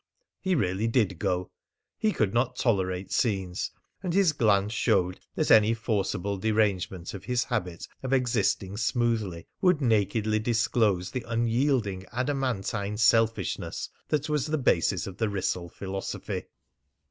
He really did go. He could not tolerate scenes, and his glance showed that any forcible derangement of his habit of existing smoothly would nakedly disclose the unyielding adamantine selfishness that was the basis of the Wrissell philosophy.